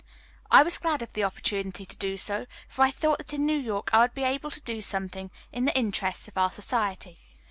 I was glad of the opportunity to do so, for I thought that in New York I would be able to do something in the interests of our society.